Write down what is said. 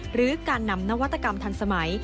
หรือการนำนวัตกรรมทันสมัย